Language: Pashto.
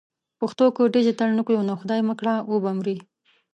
پښتو که ډیجیټل نه کړو نو خدای مه کړه و به مري.